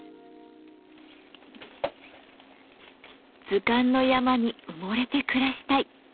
「図鑑の山に埋もれて暮らしたい」